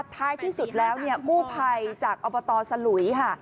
ท้ายที่สุดแล้วเนี่ยกู้ภัยจากอบตสลุยค่ะ